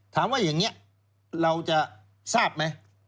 ถามว่าอย่างนี้เราจะทราบไหม